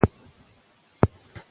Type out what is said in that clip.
ژبه کوچنۍ ده خو جرم یې لوی.